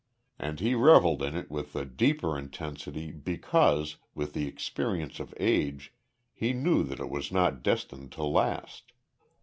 And he revelled in it with the deeper intensity because, with the experience of age, he knew that it was not destined to last.